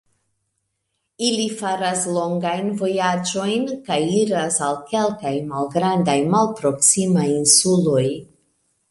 Ili faras longajn vojaĝojn kaj iras al kelkaj malgrandaj, malproksimaj insuloj.